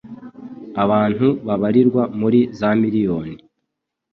abantu babarirwa muri za miriyoni